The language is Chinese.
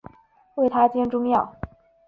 为她煎中药